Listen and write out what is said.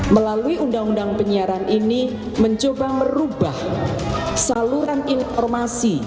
melalui undang undang penyiaran ini mencoba merubah saluran informasi